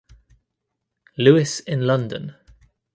Lewis in London.